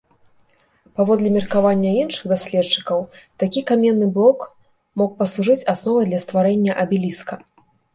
Паводле меркавання іншых даследчыкаў, такі каменны блок мог паслужыць асновай для стварэння абеліска.